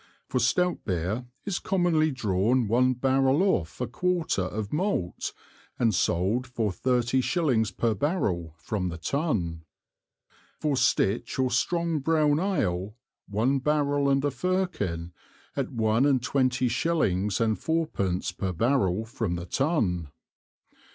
For Stout Beer, is commonly drawn one Barrel off a quarter of Malt, and sold for thirty Shillings per Barrel from the Tun. For Stitch or strong brown Ale, one Barrel and a Firkin, at one and twenty Shillings and Fourpence per Barrel from the Tun.